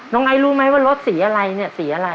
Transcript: ไอ้รู้ไหมว่ารถสีอะไรเนี่ยสีอะไร